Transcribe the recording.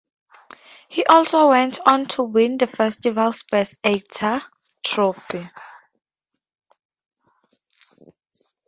He also went on to win the festival's best actor trophy.